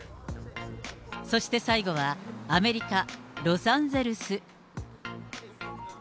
そして最後はアメリカ・ロサンゼルス。